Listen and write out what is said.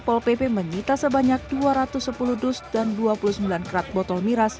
pol pp menyita sebanyak dua ratus sepuluh dus dan dua puluh sembilan kerat botol miras